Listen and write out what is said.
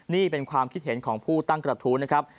นี่เป็นความคิดเห็นของผู้ตั้งกระทู้นะครับ